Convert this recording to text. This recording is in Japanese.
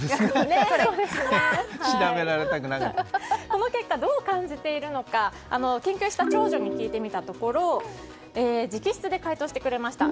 この結果、どう感じているのか研究した長女に聞いてみたところ直筆で回答してくれました。